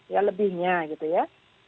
ya lebihnya gitu ya